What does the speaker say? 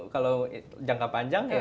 kalau jangka panjang hold dulu